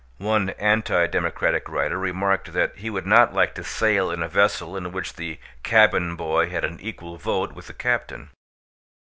One anti democratic writer remarked that he would not like to sail in a vessel in which the cabin boy had an equal vote with the captain.